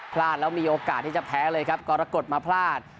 พลาดแล้วมีโอกาสที่จะแพ้เลยครับกรกฎมาพลาด